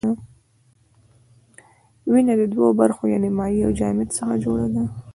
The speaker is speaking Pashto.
وینه له دوو برخو یعنې مایع او جامد څخه جوړه ده.